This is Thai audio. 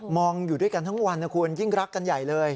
องอยู่ด้วยกันทั้งวันนะคุณยิ่งรักกันใหญ่เลย